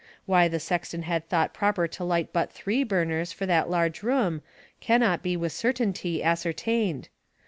Why the sexton had thought proper to light but three burners for that large room can not be with certainty ascertained.